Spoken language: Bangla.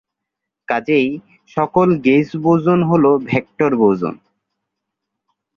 কাজেই, সকল গেজ বোসন হলো ভেক্টর বোসন।